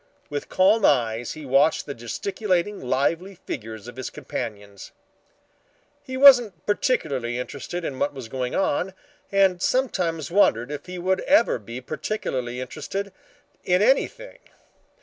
With calm eyes he watched the gesticulating lively figures of his companions. He wasn't particularly interested in what was going on, and sometimes wondered if he would ever be particularly interested in anything.